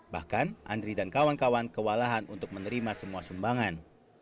bahkan andri dan kawan kawan kewalahan untuk menerima semua sumbangan